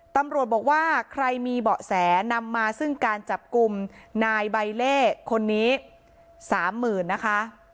ตำรวจบอกว่าใครมีเบาะแสนำมาซึ่งการจับกลุ่มนายใบเล่คนนี้๓๐๐๐นะคะ